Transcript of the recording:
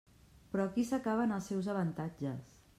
Però aquí s'acaben els seus avantatges.